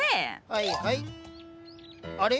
はいはいあれ？